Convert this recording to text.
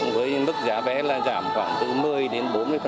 với mức giá vé là giảm khoảng từ một mươi đến bốn mươi